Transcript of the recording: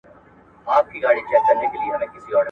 دروني ځواک مو د ستونزو په وخت وکاروئ.